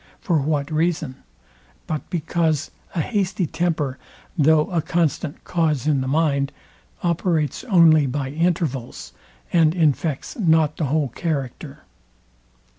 For what reason? but because a hasty temper, though a constant cause in the mind, operates only by intervals, and infects not the whole character.